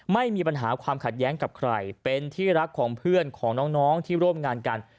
ไม่มีปัญหาความขัดแย้งกับใครเป็นที่รักของเพื่อนของน้องที่ร่วมงานกัน